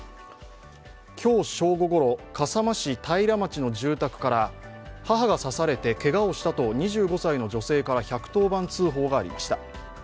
今日正午ごろ、笠間市平町の住宅から母が刺されてけがをしたと２５歳の女性から１１０番通報がありました。